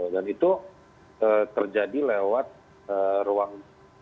dan itu terjadi lewat ruang non state